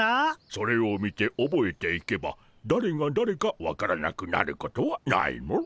それを見ておぼえていけばだれがだれか分からなくなることはないモ。